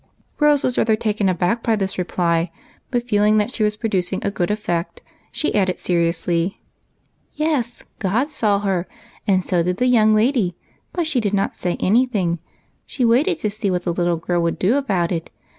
Rose was rather taken aback by this reply, but, feeling that she was producing a good effect, she added, seriously, —" Yes, God saw her, and so did the young lady, but she did not say any thing; she waited to see what the little girl would do about it.